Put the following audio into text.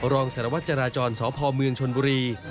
รองสารวัตรจราจรสพเมืองชนบุรี